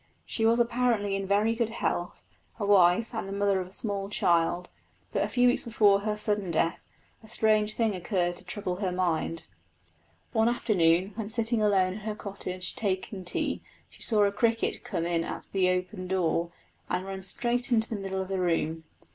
She was apparently in very good health, a wife, and the mother of a small child; but a few weeks before her sudden death a strange thing occurred to trouble her mind. One afternoon, when sitting alone in her cottage taking tea, she saw a cricket come in at the open door, and run straight into the middle of the room.